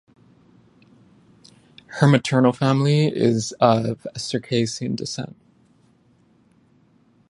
Her maternal family is of Circassian descent.